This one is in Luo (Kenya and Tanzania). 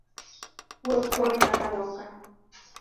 Wuoth bor nyaka loka.